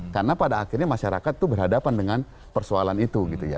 karena pada akhirnya masyarakat tuh berhadapan dengan persoalan itu gitu ya